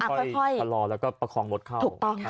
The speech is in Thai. ค่อยชะลอแล้วก็ประคองรถเข้า